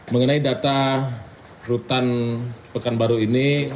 mengenai data rutan pekanbaru ini